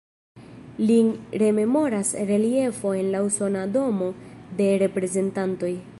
Lin rememoras reliefo en la Usona Domo de Reprezentantoj.